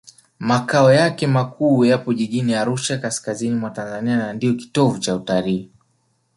makao yake makuu yapo jijini arusha kaskazini mwa tanzania na ndiyo kitovu cha utalii